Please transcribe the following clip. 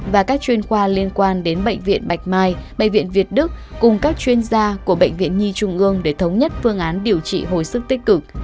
và các chuyên khoa liên quan đến bệnh viện bạch mai bệnh viện việt đức cùng các chuyên gia của bệnh viện nhi trung ương để thống nhất phương án điều trị hồi sức tích cực